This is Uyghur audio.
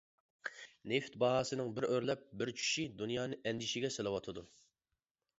نېفىت باھاسىنىڭ بىر ئۆرلەپ، بىر چۈشۈشى دۇنيانى ئەندىشىگە سېلىۋاتىدۇ.